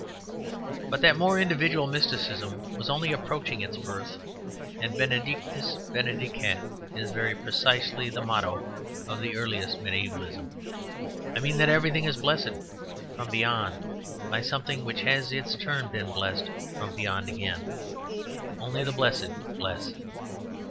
But that more individual mysticism was only approaching its birth, and Benedictus benedicat is very precisely the motto of the earliest mediævalism. I mean that everything is blessed from beyond, by something which has in its turn been blessed from beyond again; only the blessed bless.